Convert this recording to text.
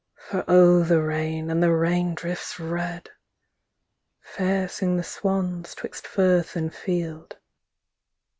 _ For O the rain, and the rain drifts red! _Fair sing the swans 'twixt firth and field.